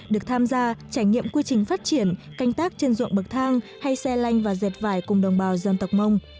được tham gia trải nghiệm quy trình phát triển canh tác trên ruộng bậc thang hay xe lanh và dệt vải cùng đồng bào dân tộc mông